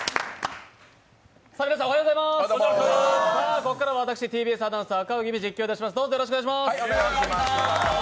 ここからは私、ＴＢＳアナウンサー・赤荻歩、実況いたします。